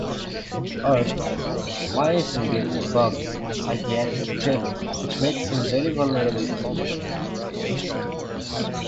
Irked, Myicin gives Bugs a psychiatric pill which makes him very vulnerable to suggestion.